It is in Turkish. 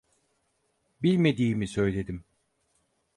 Bilmediğimi söyledim.